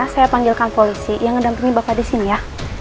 saya panggilkan polisi yang ngedampingi bapak disini ya